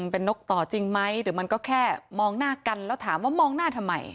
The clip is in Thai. เป็นนกต่อจริงไหมหรือมันก็แค่มองหน้ากันแล้วถามว่ามองหน้าทำไม